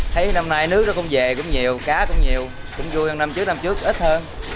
thấy năm nay nước nó cũng về cũng nhiều cá cũng nhiều cũng vui hơn năm trước năm trước ít hơn